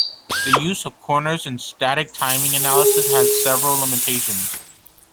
The use of corners in static timing analysis has several limitations.